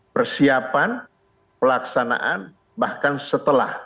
persiapan pelaksanaan bahkan setelah